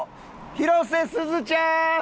広瀬すずちゃん！